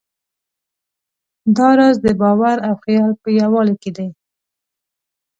دا راز د باور او خیال په یووالي کې دی.